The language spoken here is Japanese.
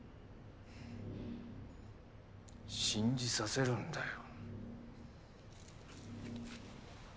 信じさせるんだよ。